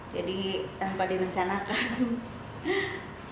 jadi tanpa direncanakan